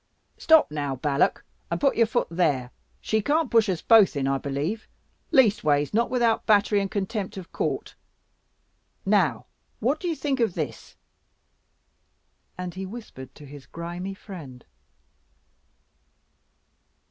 "Stop now, Balak, put your foot there. She can't push us both in, I believe; leastways not without battery and contempt of court. Now what do you think of this?" And he whispered to his grimy friend.